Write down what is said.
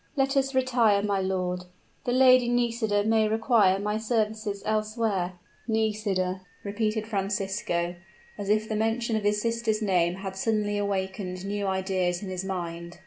"Let us retire, my lord; the Lady Nisida may require my services elsewhere." "Nisida!" repeated Francisco, as if the mention of his sister's name had suddenly awakened new ideas in his mind.